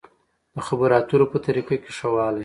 د خبرو اترو په طريقه کې ښه والی.